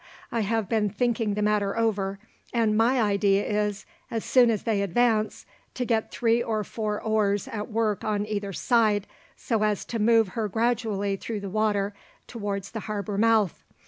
I have been thinking the matter over, and my idea is, as soon as they advance, to get three or four oars at work on either side, so as to move her gradually through the water towards the harbour mouth.